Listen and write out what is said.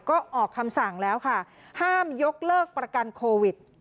ก็ออกคำสั่งแล้วค่ะห้ามยกเลิกประกันโควิด